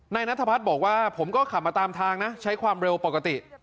นัทพัฒน์บอกว่าผมก็ขับมาตามทางนะใช้ความเร็วปกติ